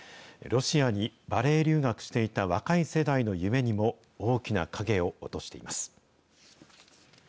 ロシアにバレエ留学していた若い世代の夢にも、大きな影を落としています。